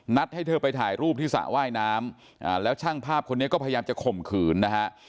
ให้เธอไปถ่ายรูปที่สระว่ายน้ำแล้วช่างภาพคนนี้ก็พยายามจะข่มขืนนะฮะ